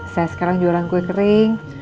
saya sekarang jualan kue kering